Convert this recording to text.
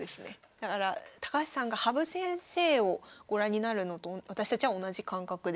だから高橋さんが羽生先生をご覧になるのと私たちは同じ感覚で。